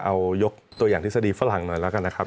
เอายกตัวอย่างทฤษฎีฝรั่งหน่อยแล้วกันนะครับ